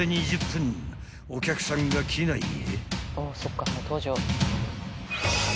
［お客さんが機内へ］